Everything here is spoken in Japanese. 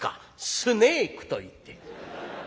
「『スネーク』と言って。